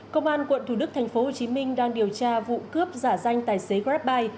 công an quận thủ đức tp hcm đang điều tra vụ cướp giả danh tài xế grabbuy